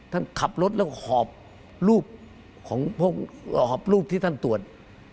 ท่านขับรถแล้วหอบรูปที่ท่านตรวจ